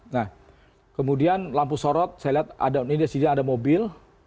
nah kemudian lampu sorot saya lihat ada mobil